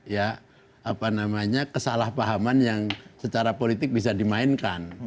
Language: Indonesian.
ya apa namanya kesalahpahaman yang secara politik bisa dimainkan